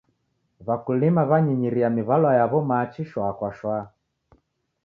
W'akulima w'anyinyiria miw'alwa yaw'o machi shwaa kwa shwaa.